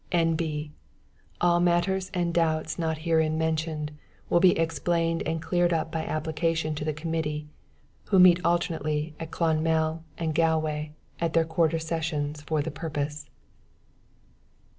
"N.B. All matters and doubts not herein mentioned, will be explained and cleared up by application to the committee, who meet alternately at Clonmell and Galway, at their quarter sessions, for the purpose.